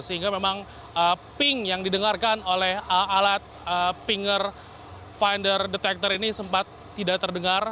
sehingga memang ping yang didengarkan oleh alat pinger finder detector ini sempat tidak terdengar